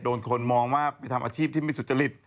คนมองว่าไปทำอาชีพที่ไม่สุจริต